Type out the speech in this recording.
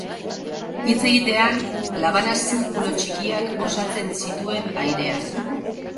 Hitz egitean, labanaz zirkulu txikiak osatzen zituen airean.